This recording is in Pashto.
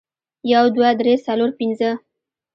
یو، دوه، درې، څلور، پنځه